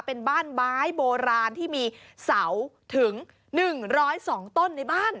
เป็นบ้านไม้โบราณที่มีเสาถึง๑๐๒ต้นในบ้าน